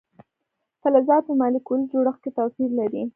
فلزات په مالیکولي جوړښت کې توپیر لري.